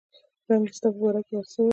رنګ دې ستا په باره کې هر څه وایي